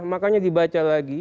makanya dibaca lagi